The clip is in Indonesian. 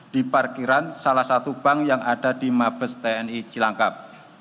di parkiran salah satu bank yang ada di mabes tni cilangkap